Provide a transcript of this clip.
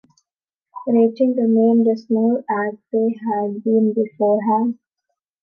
Ratings remained dismal as they had been beforehand.